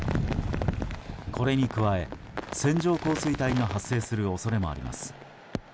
これに加え、線状降水帯が発生する恐れもあります。